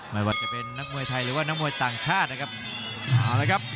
ไม่ว่าจะเป็นนักมวยไทยหรือนักมวยต่างชาตินะครับ